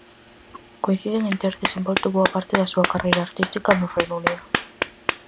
Coinciden en ter desenvolto boa parte da súa carreira artística no Reino Unido.